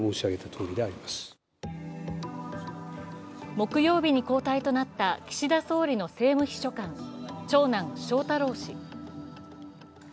木曜日に交代となった岸田総理の政務秘書官、長男・翔太郎氏。